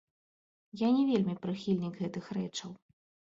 Я не вельмі прыхільнік гэтых рэчаў.